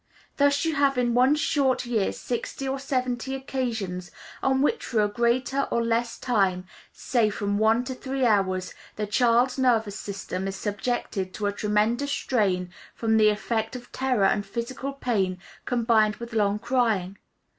Thus you have in one short year sixty or seventy occasions on which for a greater or less time, say from one to three hours, the child's nervous system is subjected to a tremendous strain from the effect of terror and physical pain combined with long crying.